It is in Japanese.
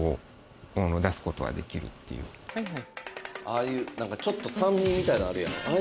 ああいうなんかちょっと酸味みたいなのあるやろああ